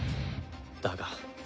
だが。